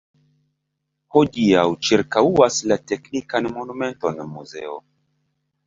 Hodiaŭ ĉirkaŭas la teknikan monumenton muzeo.